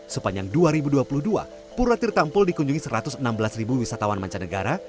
sepanjang dua ribu dua puluh dua pura tirtampul dikunjungi satu ratus enam belas wisatawan mancanegara